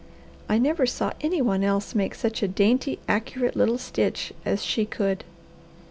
I never saw any one else make such a dainty, accurate little stitch as she could."